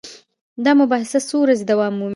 دا مباحثه څو ورځې دوام مومي.